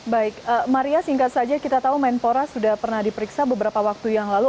baik maria singkat saja kita tahu menpora sudah pernah diperiksa beberapa waktu yang lalu